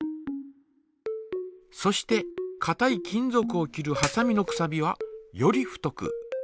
そしてかたい金ぞくを切るはさみのくさびはより太く。